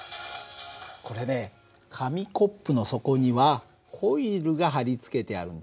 これね紙コップの底にはコイルが貼り付けてあるんだ。